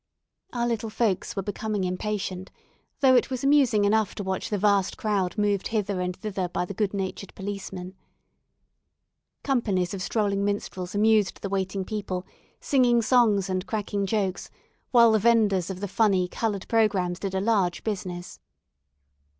Our little folks were becoming impatient, though it was amusing enough to watch the vast crowd moved hither and thither by the good natured policemen. Companies of strolling minstrels amused the waiting people, singing songs and cracking jokes, while the vendors of the funny, coloured programmes did a large business.